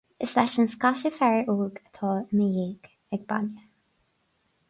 Is leis an scata fear óg atá i mo dhiaidh ag baile